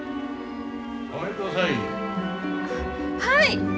はい！